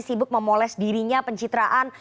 sibuk memoles dirinya pencitraan